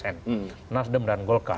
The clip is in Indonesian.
nasdem dan golkar